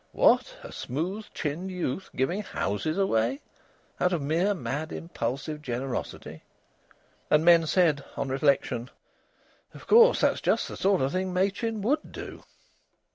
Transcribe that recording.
What! A smooth chinned youth giving houses away out of mere, mad, impulsive generosity. And men said, on reflection, "Of course, that's just the sort of thing Machin would do!"